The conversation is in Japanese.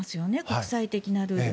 国際的なルール。